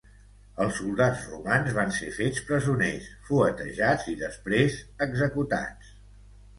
Els soldats romans van ser fets presoners, fuetejats i després executats.